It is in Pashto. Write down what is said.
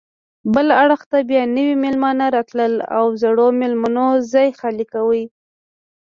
بل اړخ ته بیا نوي میلمانه راتلل او زړو میلمنو ځای خالي کاوه.